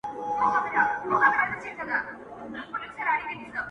چي د چا له کوره وزمه محشر سم-